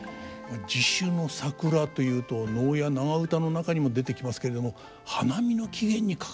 地主の桜というと能や長唄の中にも出てきますけれども花見の起源に関わっていたんですか。